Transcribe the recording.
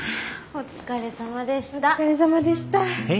お疲れさまでした。